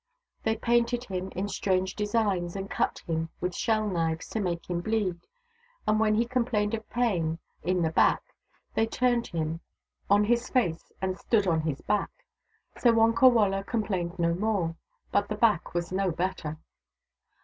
They painted him in strange designs, and cut him with shell knives to make him bleed : and when he com plained of pain in the back they turned him on his S.A.B, L i62 THE DAUGHTERS OF WONKAWALA face and stood on his back. So Wonkawala com plained no more ; but the back was no better.